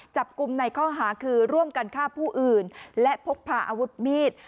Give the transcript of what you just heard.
จับกลุ่มในข้อหาคือร่วมกันฆ่าผู้อื่นและพกพาอาวุธมีด